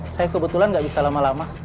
saya kebetulan nggak bisa lama lama